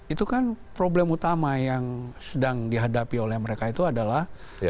itu kan problem utama yang sedang dihadapi oleh mereka itu adalah